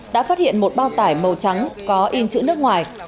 đã phát hiện một bao tải màu trắng có in chữ nước ngoài